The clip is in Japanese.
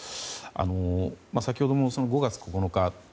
先ほども、５月９日